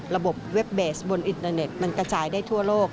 เว็บเบสบนอินเตอร์เน็ตมันกระจายได้ทั่วโลก